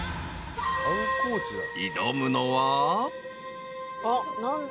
［挑むのは］